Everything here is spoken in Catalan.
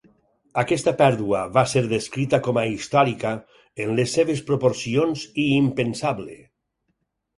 Aquesta pèrdua va ser descrita com a "històrica" en les seves proporcions, i "impensable".